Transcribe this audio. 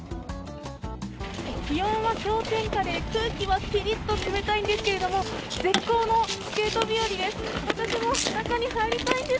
気温は氷点下で空気はピリッと冷たいんですが絶好のスケート日和です。